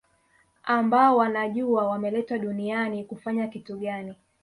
ambao wanajua wameletwa duniani kufanya kitu gani